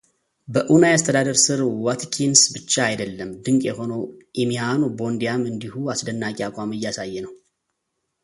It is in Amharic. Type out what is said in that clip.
በኡናይ አስተዳደር ስር ዋትኪንስ ብቻ አይደለም ድንቅ የሆነው ኢሚያኖ ቦንዲያም እንዲሁ አስደናቂ አቋም እያሳየ ነው።